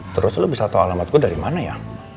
terus lo bisa tau alamat gue dari mana ya